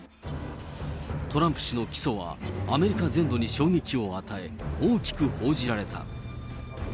トランプ氏の起訴はアメリカ全土に衝撃を与え、大きく報じられた。